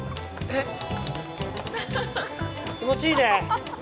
◆気持ちいいね。